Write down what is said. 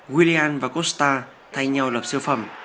william và costa thay nhau lập siêu phẩm